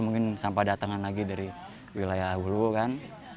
mungkin sampah datangan lagi dari wilayah hulu kan